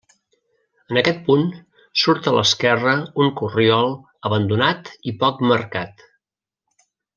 En aquest punt surt a l'esquerra un corriol abandonat i poc marcat.